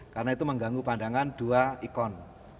karena itu mengganggu pandangan dua ikon